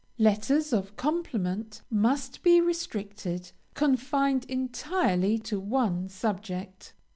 LETTERS OF COMPLIMENT must be restricted, confined entirely to one subject.